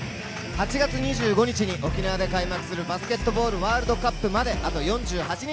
８月２５日に沖縄で開幕するバスケットボールワールドカップまで、あと４８日。